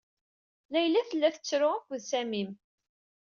Layla tella tettru akked Samim